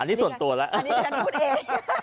อันนี้ส่วนตัวแล้วอันนี้พูดเอง